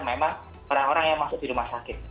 memang orang orang yang masuk di rumah sakit